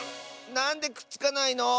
なんでくっつかないの？